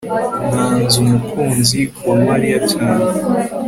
nanze umukunzi wa mariya cyane